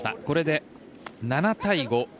これで７対５。